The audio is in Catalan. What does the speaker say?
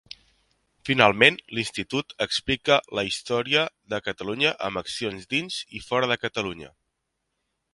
Finalment, l'Institut explica la història de Catalunya amb accions dins i fora de Catalunya.